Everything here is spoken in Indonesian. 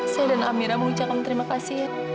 saya dan amira mau ucapkan terima kasih